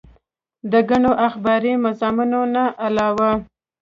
د ګڼو اخباري مضامينو نه علاوه